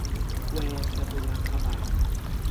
แวงจตุลังคบาท